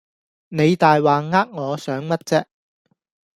你大話呃我想乜啫